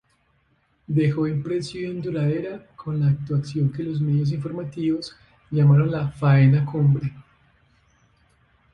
Dejó impresión duradera con la actuación que los medios informativos llamaron ""La Faena Cumbre"".